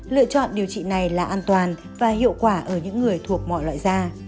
lựa chọn điều trị này là an toàn và hiệu quả ở những người thuộc mọi loại da